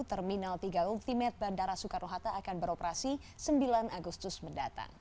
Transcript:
terminal tiga ultimate bandara soekarno hatta akan beroperasi sembilan agustus mendatang